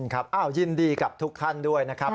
ครับยินดีกับทุกท่านด้วยนะครับ